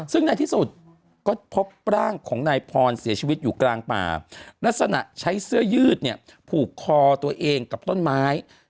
ซึ่งในที่สุดก็พบร่างของนายพรเสียชีวิตอยู่กลางป่าลักษณะใช้เสื้อยืดเนี่ยผูกคอตัวเองกับต้นไม้